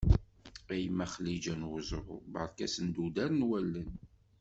A yemma Xliǧa n Uẓru, berka asenduder n wallen.